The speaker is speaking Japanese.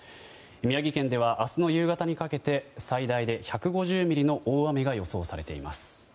宮城県では明日の夕方にかけて最大で１５０ミリの大雨が予想されています。